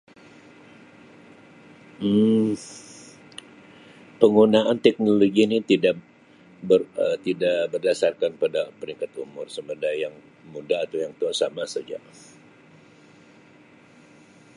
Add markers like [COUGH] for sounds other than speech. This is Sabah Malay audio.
[UNINTELLIGIBLE] Penggunaan teknologi ni tidak ber Um tidak berdasarkan pada peringkat umur sama ada yang muda atau yang tua sama saja.